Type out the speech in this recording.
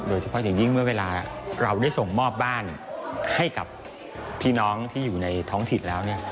โดยเฉพาะอย่างยิ่งเมื่อเวลาเราได้ส่งมอบบ้านให้กับพี่น้องที่อยู่ในท้องถิ่นแล้ว